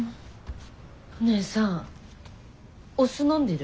お姉さんお酢飲んでる？